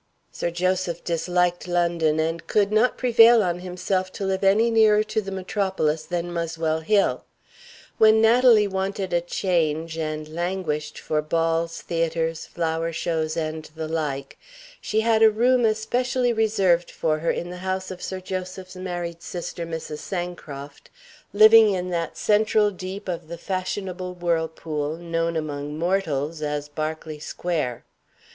Sir Joseph disliked London, and could not prevail on himself to live any nearer to the metropolis than Muswell Hill. When Natalie wanted a change, and languished for balls, theaters, flower shows, and the like, she had a room especially reserved for her in the house of Sir Joseph's married sister, Mrs. Sancroft, living in that central deep of the fashionable whirlpool known among mortals as Berkeley Square.